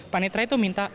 panitra itu minta